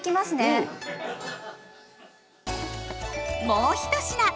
もう１品！